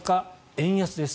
円安です。